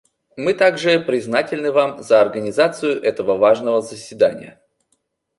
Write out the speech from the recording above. Мы также признательны Вам за организацию этого важного заседания.